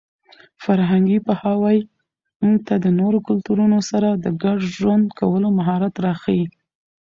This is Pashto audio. فرهنګي پوهاوی موږ ته د نورو کلتورونو سره د ګډ ژوند کولو مهارت راښيي.